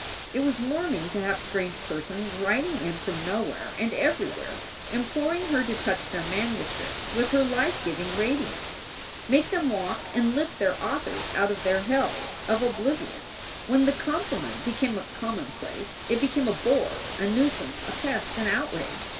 It was warming to have strange persons writing in from nowhere and everywhere imploring her to touch their manuscripts with her life giving radiance, make them walk and lift their authors out of their hells of oblivion. 354 SOULS FOR SALE When the compliment became a commonplace it became a bore, a nuisance, a pest, an outrage.